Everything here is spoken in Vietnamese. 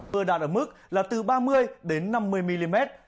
vừa đạt ở mức là từ ba mươi đến năm mươi mm